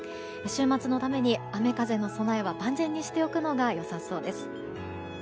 週末のために雨風の備えは万全にしておくのが良さそうです。